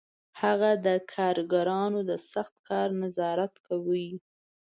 هغه د کارګرانو د سخت کار نظارت کاوه